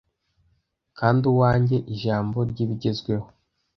Kandi uwanjye ijambo ryibigezweho,